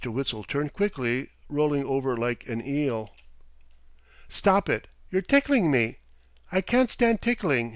Witzel turned quickly, rolling over like an eel. "Stop it! You're tickling me. I can't stand tickling!"